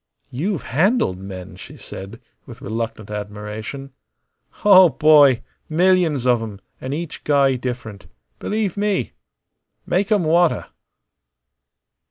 "You've handled men," she said, with reluctant admiration. "Oh, boy! millions of 'em, an' each guy different. Believe me! Make 'em wanta."